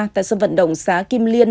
tại sân vận động xã kim liên